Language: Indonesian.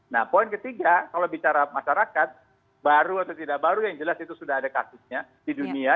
nah poin ketiga kalau bicara masyarakat baru atau tidak baru yang jelas itu sudah ada kasusnya di dunia